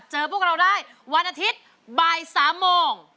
เจอพวกเราได้วันอาทิตย์๘๓๐น